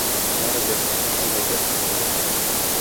— Барыбер һиңә эләгер, ҡурҡма